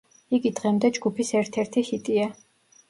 იგი დღემდე ჯგუფის ერთ-ერთი ჰიტია.